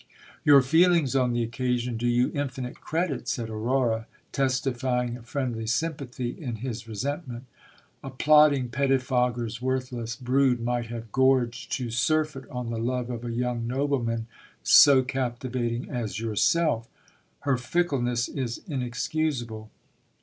Your feelings on the oc casion do you infinite credit, said Aurora, testifying a friendly sympathy in his resentment. A plodding pettifogger's worthless brood might have gorged to surfeit on the love of a young nobleman so captivating as yourself. Her fickle ness is inexcusable.